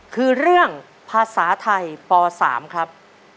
คือเรื่องภาษาไทยป๓ครับ